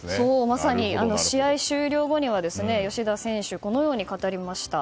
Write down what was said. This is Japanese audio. まさに試合終了後には吉田選手はこのように語りました。